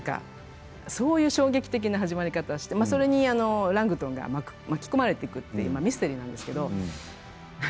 そういう衝撃的な始まり方をしていてそれにラングドンが巻き込まれていくというミステリーなんです。